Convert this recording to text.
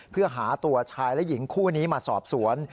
เพื่อหาตัวชายและหญิงคู่นี้มาสอบสวน